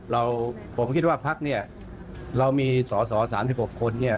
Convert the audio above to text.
เราผมคิดว่าพักฯเรามีสรสอ๓๖คน